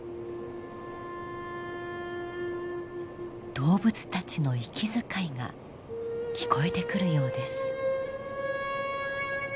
動物たちの息遣いが聞こえてくるようです。